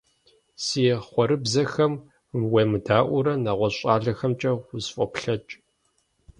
Си хъуэрыбзэхэм уемыдаӀуэурэ, нэгъуэщӀ щӀалэхэмкӀэ усфӀоплъэкӀ.